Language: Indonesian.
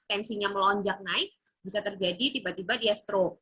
tensinya melonjak naik bisa terjadi tiba tiba dia stroke